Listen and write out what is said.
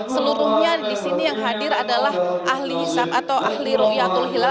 seluruhnya di sini yang hadir adalah ahli hisap atau ahli rohiatul hilal